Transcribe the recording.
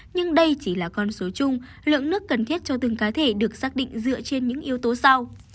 nhưng đây chỉ là con số chung lượng nước cần thiết cho từng cá thể được xác định dựa trên những yếu tố sau